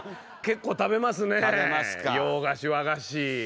結構食べますね洋菓子和菓子。